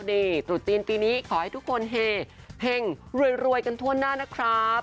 นี่ตรุษจีนปีนี้ขอให้ทุกคนเฮงรวยกันทั่วหน้านะครับ